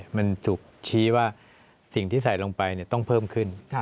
มันถูกชี้ว่าสิ่งที่ใส่ลงไปต้องเพิ่มขึ้น